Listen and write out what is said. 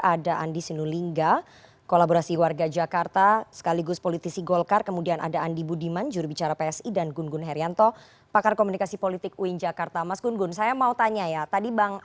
ada andi sinulingga kolaborasi warga jakarta sekaligus politisi golkar kemudian ada andi budiman jurubicara psi dan gungun herianto pakar komunikasi politik uin jakarta